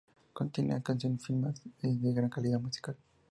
Contiene canciones finas y de gran calidad musical.